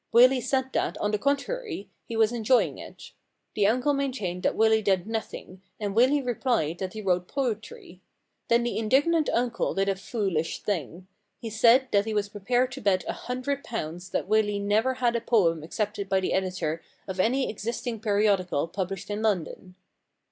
Willy said that, on the contrary, he was enjoying it. The uncle maintained that Willy did nothing, and Willy replied that he wrote poetry. Then the indig nant uncle did a foolish thing. He said that he was prepared to bet a hundred pounds that Willy never had a poem accepted by the editor of any existing periodical published in London.